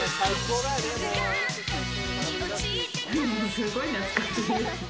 すごい懐かしい。